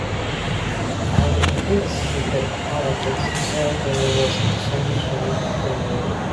Out of this the Politics server was essentially created.